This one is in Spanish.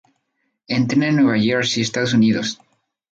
Entrena en Nueva Jersey, Estados Unidos.